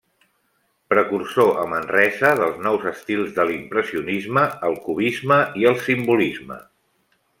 Precursor a Manresa dels nous estils de l'impressionisme, el cubisme i el simbolisme.